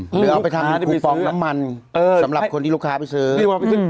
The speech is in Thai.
หรือเอาไปทำคูฟองน้ำมันสำหรับคนที่ลูกค้าไปซื้อ